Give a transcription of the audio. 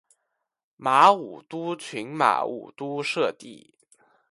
马武督群马武督社地。